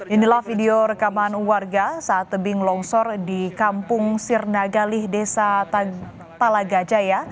inilah video rekaman warga saat tebing longsor di kampung sirnagali desa talagajaya